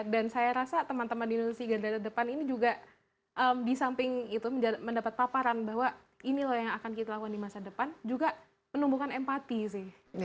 dan saya rasa teman teman di indonesia garda terdepan ini juga di samping itu mendapat paparan bahwa ini loh yang akan kita lakukan di masa depan juga menumbuhkan empati sih